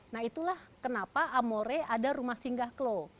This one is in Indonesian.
nah itulah kenapa amore ada rumah singgah klo